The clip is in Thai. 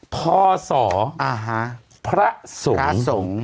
พศพระสงพศ